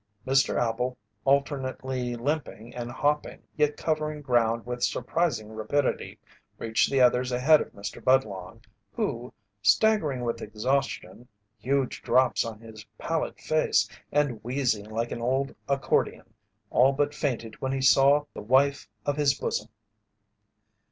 Mr. Appel, alternately limping and hopping yet covering ground with surprising rapidity, reached the others ahead of Mr. Budlong, who, staggering with exhaustion, huge drops on his pallid face, and wheezing like an old accordeon, all but fainted when he saw the wife of his bosom.